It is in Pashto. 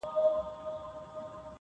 کله دي مرګ وي اور د ګرمیو -